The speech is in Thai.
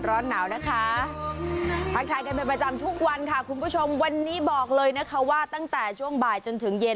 ร้อนหนาวนะคะทักทายกันเป็นประจำทุกวันค่ะคุณผู้ชมวันนี้บอกเลยนะคะว่าตั้งแต่ช่วงบ่ายจนถึงเย็น